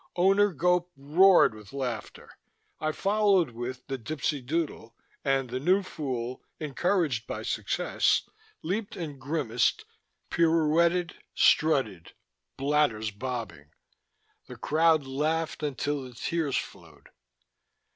Owner Gope roared with laughter. I followed with The Dipsy Doodle and the new fool, encouraged by success, leaped and grimaced, pirouetted, strutted, bladders bobbing; the crowd laughed until the tears flowed.